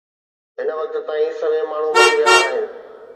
هن وقت تائين سوين ماڻهو مري ويا آهن